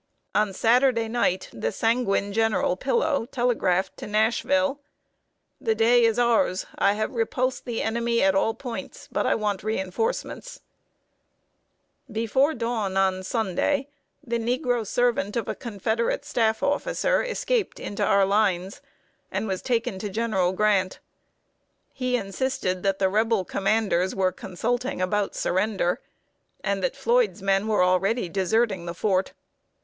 On Saturday night, the sanguine General Pillow telegraphed to Nashville: "The day is ours. I have repulsed the enemy at all points, but I want re enforcements." [Sidenote: THE CAPTURE OF FORT DONELSON.] Before dawn on Sunday, the negro servant of a Confederate staff officer escaped into our lines, and was taken to General Grant. He insisted that the Rebel commanders were consulting about surrender, and that Floyd's men were already deserting the fort.